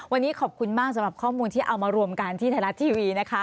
วันนี้ขอบคุณมากสำหรับข้อมูลที่เอามารวมกันที่ไทยรัฐทีวีนะคะ